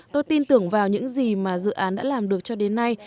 tôi tin tưởng vào những gì mà dự án đã làm được cho đến nay